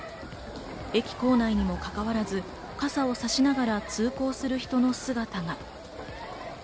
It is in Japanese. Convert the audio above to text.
駅構内にもかかわらず傘をさしながら通行する人の姿が。